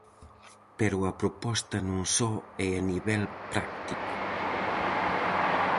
Pero a proposta non só é a nivel práctico.